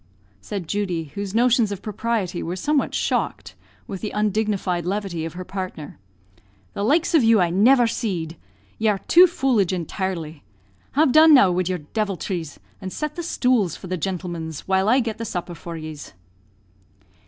said Judy, whose notions of propriety were somewhat shocked with the undignified levity of her partner; "the likes of you I never seed; ye are too foolidge intirely. Have done now wid your diviltries, and set the stools for the gintlemens, while I get the supper for yes."